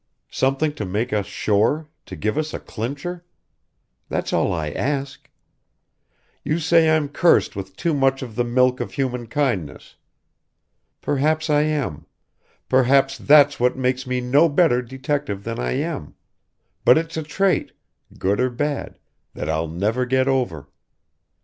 Something to make us sure to give us a clincher? That's all I ask. You say I'm cursed with too much of the milk of human kindness. Perhaps I am perhaps that's what makes me no better detective than I am but it's a trait good or bad that I'll never get over.